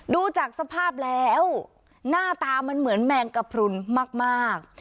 ดูจากสภาพแล้วหน้าตามันเหมือนแมงกระพรุนมาก